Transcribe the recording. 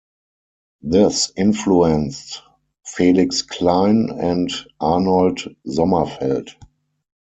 This influenced Felix Klein and Arnold Sommerfeld.